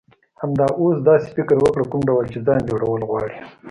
همدا اوس داسی فکر وکړه، کوم ډول چی ځان جوړول غواړی.